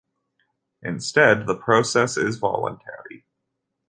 Instead the process is voluntary.